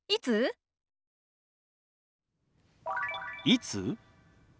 「いつ？」。